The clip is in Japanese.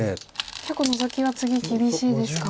結構ノゾキは次厳しいですか。